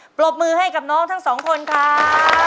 ปรบมือให้กับน้องทั้งสองคนครับ